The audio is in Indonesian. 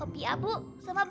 lopi abu sama babu